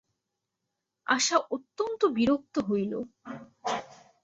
আশা অত্যন্ত বিরক্ত হইল।